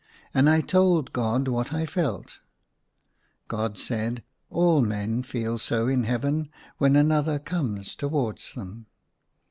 And I told God what I felt ; God said. " All men feel so in i64 THE SUNLIGHT LAY Heaven when another comes towards them."